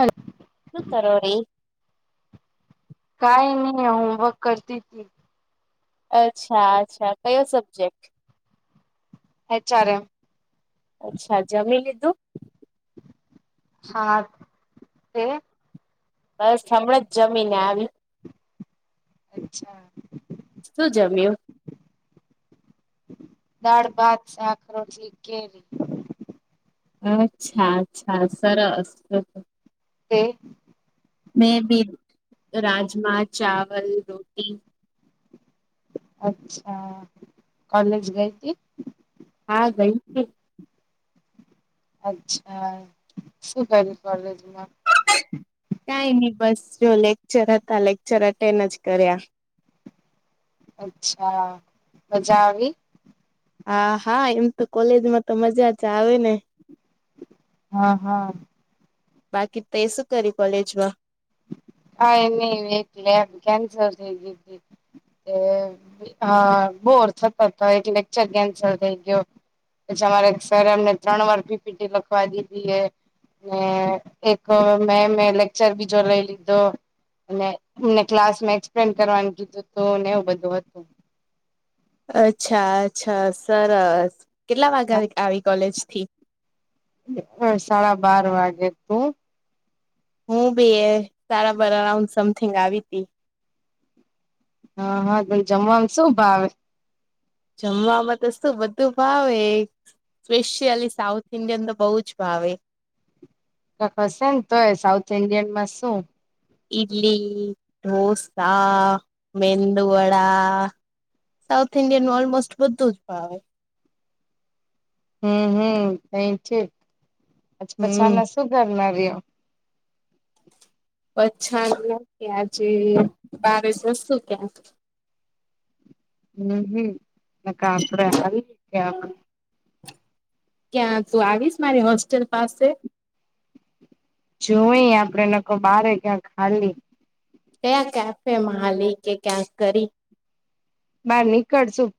હ શું તરો કઈ નહી હોમવર્ક કરતી હતી અચ્છા અચ્છા કયો સબ્જેક્ટ હચઆર એમ અચ્છા જમી લીધું હા તે બસ હમણાં જ જમી ને આવી અચ્છા શું જમ્યું દાળ ભાત સાખરોલી કેરી અચ્છા અચ્છા સરસ તે મેં બી રાજમાગ ચાવલ રોટી અચ્છા કોલેજ ગઈ હતીથી હા ગય અચ્છા શું કર્યું કોલેજમાં કઈ નહી બસ જો લેક્ચર હતા લેક્ચર એટેન્ડ જ કર્યા અચ્છા મજા આવી હા હા એમ તો કોલેજમાં તો મજા જ આવે ને હા હા બાકી તે શું કરી કોલેજમાં હા એ ન એટલે એમ કેન્સલ થઈ ગીધી હા બોર સત એક લેકચર કેન્સલ થઈ ગયો પછી અમારે સર એમને ત્રણ વાર પીપીટી લખવા દીધી એ એક મે મે લેક્ચર બીજો લઈ લી તો મેં ક્લાસ એક્સપ્લેન કરવાનું કીધું હતું એવું બધું હતું [unintelligible] અચ્છા અચ્છા સરસ કેટલા વાગ્યા આવી કોલેજથી અ સાડા બાર વાગે તું હું બી એ સારા બાર અરાઉન્ડ સમથિંગ આવી ત હા હા પણ જમવાનું શું ભાવે જમવાવામાં તો શું બધું ભાવે સ્પેશિયલી સાઉથ ઇન્ડિયન તો બહુ જ ભાવે હશે ને તોય સાઉથ ઈન્ડિયન માં શું ઇદલી દોસા મેંદ વડા સાઉથ ઇન્ડિયાનમાં ઓલમોસ્ટ બધુંત્ ભાવય હમ હમ એ ઠીક પછી પછી હમ આના શું કર ના રહ [unintelligible] પછા કેજે બાવસ શું ક્યાં હમ હમ ક ક્યાં તું આવીશ મારી હોસ્ટેલ પાસે જોઈ આપડે નખ બારે ક્યાં ખાલી કયા કેફેમાંાલી કે ક્યાંક કરી બાર નીકળશું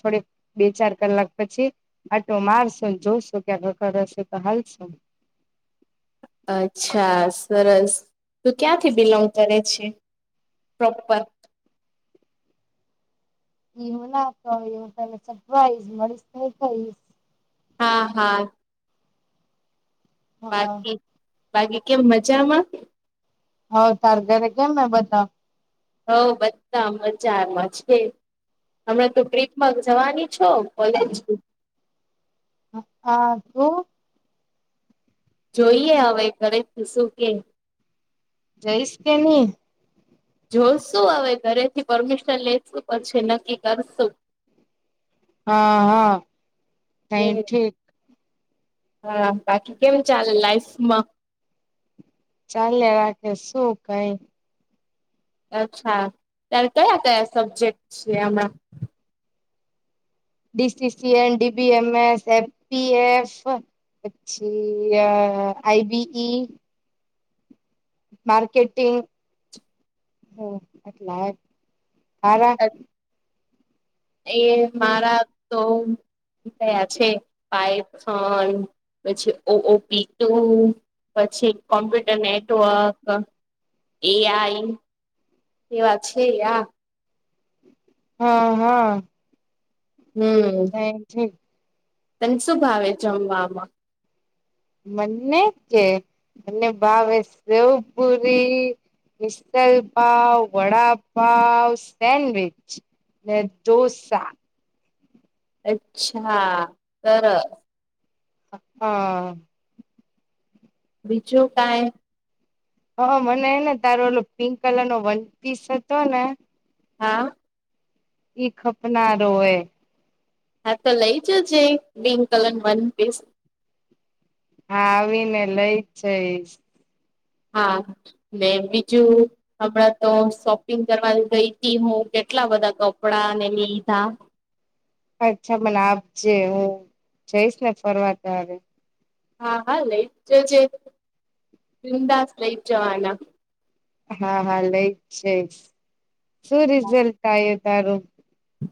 થોડીક બે ચાર કલાક પછી આટો મારશો જોશો ક્યાંક ખખર હશે તો હાલશે [unintelligible] [unintelligible] અચ્છા સરસ તું ક્યાંથી બિલોંગ કરે છે પ્રોપર એવું નાતો એ તને સરપ્રાઈઝ મળીશ ન કઈશ હા હા હા બાકી બાકી કેમ મજામાં હવ સાર ઘરે કેમ બધા હઉ બધા બજારમાં છે હમણા તો ટ્રીપમાં જવાની છો કોલેજ હ તોું જોઈએ હવે ઘરે શું કે જયસ કે ન જોશું હવે ઘરેથી પરમિશન લેેશું પછી નક્કી કરશું હા હા સાઈ હમ ઠીક હા બાકી કેમ ચાલે લાાઈફમાં ચલે રાખે શું કઈ અચ્છા ત્યારે કયા કયા સબ્જેક્ટ છે હણા ડીસીસીએન ડીબી એમ એસ એફપીએફ પછી આઈ બી ઈ માર્કેટિંગ હ એટલા હારા એ મારા તો કયા છે પઇફન પછી ઓ ઓપી ટુ પછી કોમ્પ્યુટર નેટવર્ક એઆઈ એ વાત છે આ હા હા હમ એ જ તને શું ભાવે જમવામાં મને છે મને ભાવે સેવ પૂરી મિસલ પાવ, વડાપાવ, સેન્ડવીચ, ને ઢોસા અચ્છા સરસ હા બીજું કાઈ હા મને હેને તારુ ઓલું પિંક કલરનો વન પીસ હતો ને હા ઈ ખપનારો હોય હા તો લઈ જજે પિન્ક કલર વન પીસ હા આવી ને લઈ જ જઈશ હા ને બીજું હમણાં તો શોપિંગ કરવાની ગઈ હતી હું કે કેટલા બધા કપડા ને લીધા અચ્છા મને આપજે હું જઈશ ને ફરવા ત્યારે હા હા લઈ જજે બિન્દાસ લઈ જ જવાના હા હા લઈ જઈશ શું રિઝલ્ટ આવ્યો તારું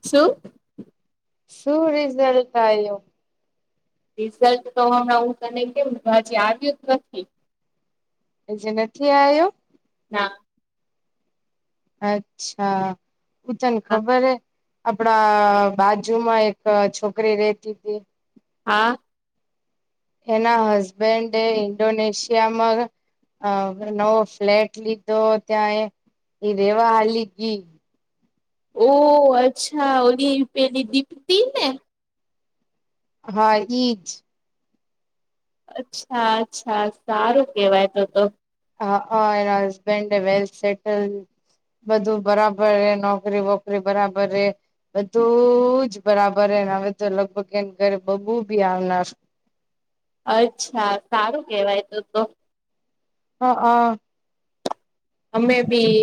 શું શું રિઝલ્ટ આવ્યુ રિઝલ્ટ તો હમણાં હું તને કેમ હજી આવ્યું જ નથી હજી નથી આવ્યુ ના અચ્છા હુ તને હા ખબરે આપડા બાજુમાં એક છોકરી રેતી હતી હા એના હસબેન્ડ એ ઇન્ડોનેશિયામાં હ નવો ફ્લેટ લીધો ત્યાં એ એ રેવા હાલી ગી ઓ અચ્છા ઓલી પેલી દીપતી ને હા ઈજ અચ્છા અચ્છા સારું કેવાય તો તો હઅ એના હસબેન્ડે વેલ સેટલ બધું બરાબર રે નોકરી વોકરી બરાબર રે બધું જ બરાબરને હવે તો લગભગ એને ઘરે બબું બી આવનાર અચ્છા સારું કેવાય તો તો હ અ અમે બી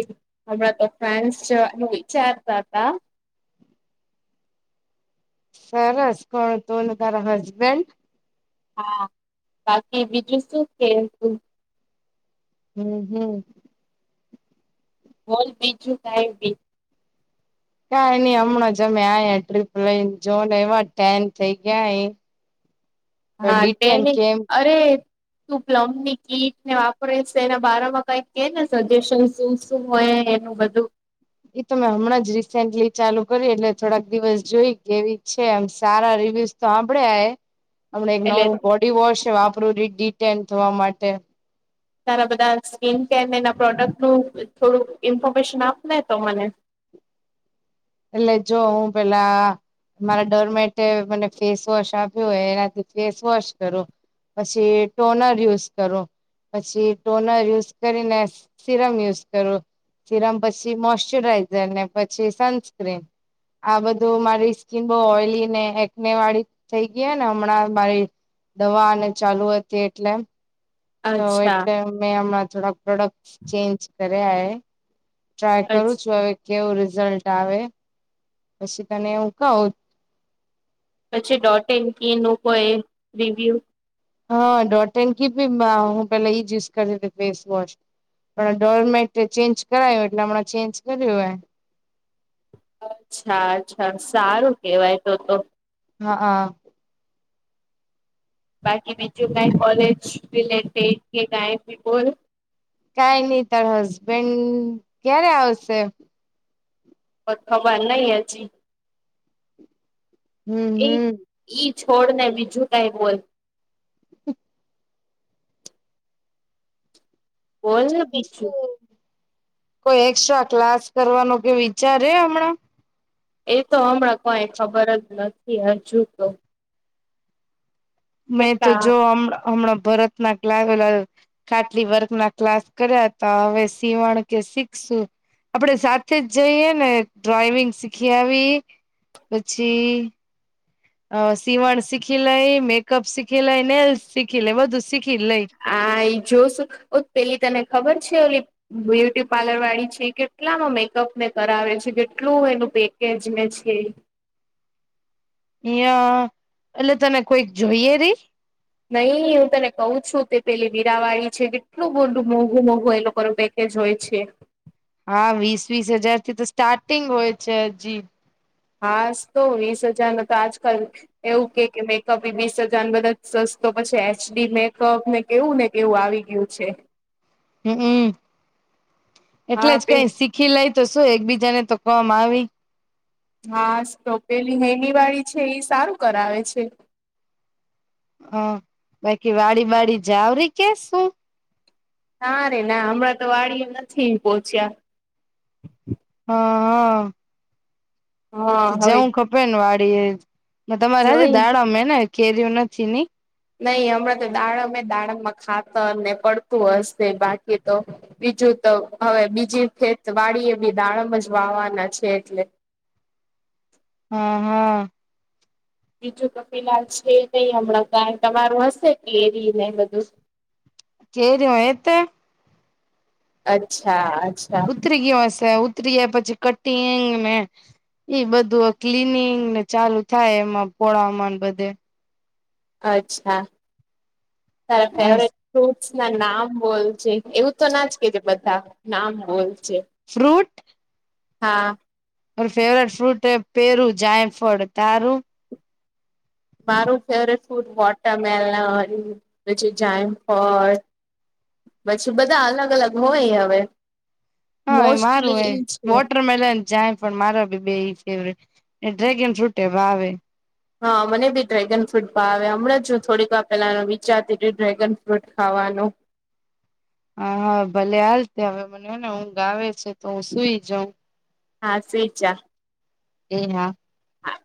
હમણાં તો ફેન્સ જવાનું વિચારતા હતા સરસ કોણ તું ને તારા હસબેન્ડ હા બાકી બીજું શું કેવું હમ હમ બોલ બીજું કાય બી કાઈ નઈ હમણાં જ અમે આ ટ્રીપ લઈને જોને એમા ટેન થઈ ગયા એ તો હા ડિટેન તેણી કેમ અરે તું પ્લમબની કીટ ને વાપરી છે એના બારામાં કઈક કે ને સજેશન શું શું હોય એનું બધું એ તો મેં હમણાં જ રિસેન્ટલી ચાલુ કરી એટલે થોડાક દિવસ જોઈ કેવી છે એમ સારા રી તે દિવસ તો આપડે હમણે એક એટલે નવું બોડી વોશ વાપરું રિડીટેન થવા માટે તારા બધા સ્કીિન કેર ને એના પ્રોડક્ટનું થોડુંક ઈન્ફોર્મેશન આપ ને તો મને એટલે જો હું પેલા મારા ડરમેટ તે મને ફેસ વોશ આપ્યો હોય એનાથી ફેસ વોશ કરો પછી ટોનર યુઝ કરો પછી ટોનર યુઝ કરીને સીરમ યુઝ કરો સીરમ પછી મોશચરાઈઝર ને પછી સનસ્ક્રીન આ બધું મારી સ્કીિન બહુ ઓઈલી ને એકને વાળી થઈ ગઈ ને હમણાં મારી દવા અને ચાલુ હતી એટલે તો અચ્છા એટલે મેં હમણાં થોડા પ્રોડક્ટ ચેન્જ કર્યા એ ટ્રાય અચ્છા કરું છું હવે કેવું રિઝલ્ટ આવે પછી તને એવું કવ પછી ડોટ એન ક ન કોઈ રિવ્યુ હા ડોટન ભી હું પહેલા યુ કર ફેસ વશ પણ ડોરમેટે ચેન્જ કરાયું એટલે હમણાં ચેન્જ કર્યું હો અચ્છા અચ્છા સારું કેવાય તો તો હા હા બાકી બ જો ક કોલેજ રિલેટેડ કે ક બલ કઈ નઈ તાર હસબેન્ડ ક્યારે આવશે કો ખબર નહી હ જી હમ હમ ઈ છોડ ને બીજું કઈ બોલ બોલ બીજું ને તફ કોઈ એક્સ્ટ્રા ક્લાસ કરવાનો કે વિચારે હમણાં એ તો હમણાં કોઈ ખબર જ નથી હજુ તો મેં તો કેટલા જો હમણાં ભરતનાક લાવ્યો લાવ્યો ખાટલી વર્ગ ના ક્લાસ કર્યા હતા હવે સીવણ કે શીખશું આપણેે સાથે જ જઈએ ને ડ્રોઈવિંગ શીખી આવી પછી હ સીવણ શીખી લઈ મેકઅપ શીખી લાય ને શીખી લે બધું શીખી લઈ આ એ જોશું ઓ પેલી તને ખબર છે ઓલી બ્યુટી પાર્લર વાળી છે કેટલામાં મેકઅપ ને કરાવે છે કેટલું એનું પેકેજ છે અ એટલે તને કોઈક જોઈએ રહી નહી હું તને કઉ છું તે પેલી વીરાવાડીી છે કેટલું બડું મોઘું મોઘું એ લોકો પ જ હોય છે હા વીસ વીસ હજાર થી તો સ્ટાર્ટિંગ હોય છે હજી હા તો વીસ હજાર ન તો આજકાલ એવું કે મેકઅપ વીસ હજાર બધા સ તો પછી એચડી મેકઅપ ને કેવું ને કેવું આવી ગયું છે હમમ એટલે હા જ પે કઈ શીખી લાય તો શું એકબીજાને તો કોવામાં આવી હા ટોપેલી હૈમ વાળી છે એ સારું કરાવે છે હ બાકી વાડી વાડી જાવરી કે શું નાા રે ના હમણાં તો વાડી નથી પોહોચ્યા હા હા હા હવે જવું ખપે ને વાળી તમારે હજ જોઈ દાડામાં ને કેરીય નથી ની નહી હમણાં તો દાડમે દાડમમાં ખાતાને પડતું હશે બાકી તો બીજું તો હવે બીજી ખેત વાડી એ બી દાડમ જ વાવાના છે એટલે હા હા બીજું કફિલાલ છે નહી હમણાં કારણ તમારું હશે કે એ રને બધું કેરી એતા અચ્છા અચ્છા ઉતરીિકવાશે ઉતરીિયા પછી કટંગ મે ઈ બધું ક્લિનિંગને ચાલુ થાય એમાં પળામાન બધે અચ્છા તારું ફેવરિટ ના નામ બોલ છે એવું તો ના જ કે છે બધા નામ બોલ ફ્રૂટ હા ફેવરેટ ફ્રૂટ પેરું જાયફળ તારું મારું ફેવરેટ ફૂડ વોટરમેલન પછી જાયમફલ પછી બધા અલગ અલગ હોય હવે હા એ મારું મોસ્ટલી એ ઈ છે વોટરમેલન જાય પણ મારો બી બે ફેવરેટ એ ડ્રેગન ફ્રૂટ એ ભવેે હા મને બી ડ્રેગન ફ્રૂટ ભાવે હમણાં હું થોડીક વાર પેલા વિચારતી ડ્રેગન ફ્રૂટ ખાવા હનું હા હા ભલે હાલ ત હવે મને ને હું ગાવ છે તો હું સુઈ જાઉં હા સ્ેચા એ હા હા